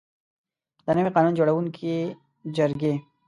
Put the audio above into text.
د نوي قانون جوړوونکي جرګې.